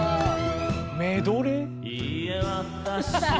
メドレー？